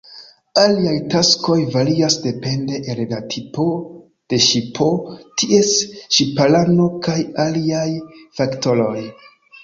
Aliaj taskoj varias depende el la tipo de ŝipo, ties ŝipanaro, kaj aliaj faktoroj.